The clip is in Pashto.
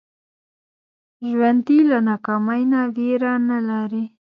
ژوندي له ناکامۍ نه ویره نه لري